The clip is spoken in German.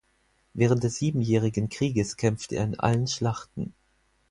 Während des siebenjährigen Krieges kämpfte er in allen Schlachten.